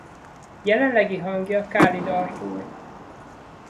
Jelenlegi hangja Kálid Artúr.